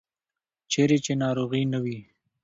چیرې چې ناروغي نه وي.